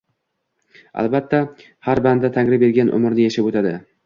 Albatta, har banda Tangri bergan umrni yashab o`tadi